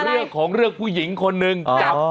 เรื่องของเรื่องผู้หญิงคนหนึ่งจับ